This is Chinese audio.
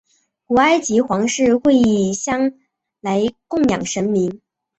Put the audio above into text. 古埃及皇室会以香来供养神明。